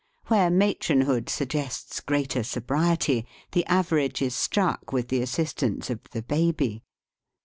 Where matronhood suggests greater sobriety, the average is struck with the assistance of the baby.